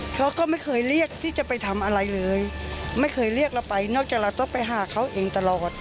เขาก็ไม่เคยเรียกที่จะไปทำอะไรเลยไม่เคยเรียกเราไปนอกจากเราต้องไปหาเขาเองตลอด